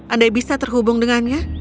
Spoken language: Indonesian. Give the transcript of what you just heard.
andai bisa terhubung dengannya